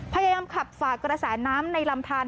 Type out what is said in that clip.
พยายามขับฝากกระแสน้ำในลำทาน